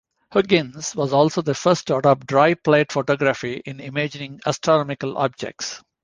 Huggins was also the first to adopt dry plate photography in imaging astronomical objects.